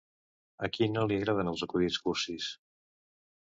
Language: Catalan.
A qui no li agraden els acudits cursis?